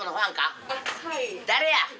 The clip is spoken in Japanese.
誰や？